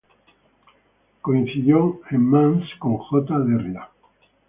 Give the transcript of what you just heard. Coincidió en Mans con J. Derrida.